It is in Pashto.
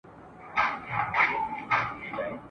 دا اجمل اجمل نسلونه !.